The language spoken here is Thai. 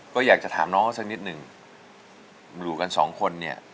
ก็อยากจะถามน้องเขาสักนิดหนึ่งอยู่กันสองคนเนี่ย